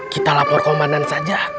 kita lapor komandan saja